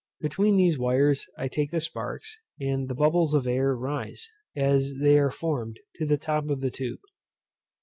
Between these wires I take the sparks, and the bubbles of air rise, as they are formed, to the top of the tube.